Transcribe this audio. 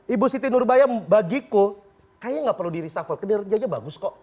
ibu siti nurbaya bagiku kayaknya gak perlu di reshuffle karena kerjanya bagus kok